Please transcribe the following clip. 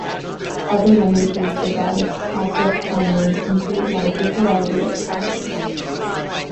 Other languages divide object pronouns into a larger variety of classes.